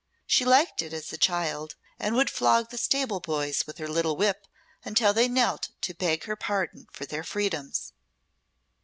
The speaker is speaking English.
She liked it as a child, and would flog the stable boys with her little whip until they knelt to beg her pardon for their freedoms."